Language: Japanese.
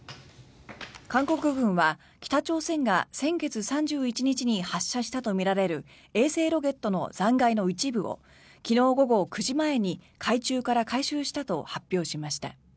韓国軍は北朝鮮が先月３１日に発射したとみられる衛星ロケットの残骸の一部を昨日午後９時前に海中から回収したと発表しました。